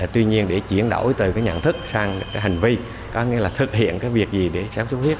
tuy nhiên để chuyển đổi từ cái nhận thức sang cái hành vi có nghĩa là thực hiện cái việc gì để sáng suốt huyết